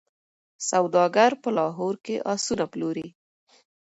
سوداګر په لاهور کي آسونه پلوري.